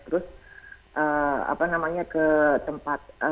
terus apa namanya ke tempat